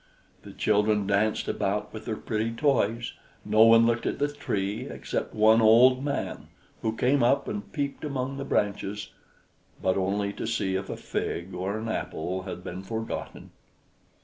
The children danced about with their pretty toys. No one looked at the Tree except one old man, who came up and peeped among the branches, but only to see if a fig or an apple had been forgotten.